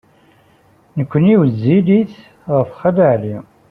Nekkni wezzilit ɣef Xali Ɛli.